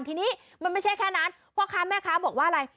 ทีนี้มันไม่ใช่แค่นั้นพ่อค้าแม่ค้าบอกว่าอะไร